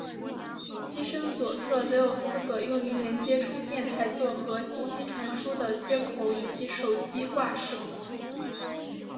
机身左侧则有四个用于连接充电台座和信息传输的接孔以及手机挂饰孔。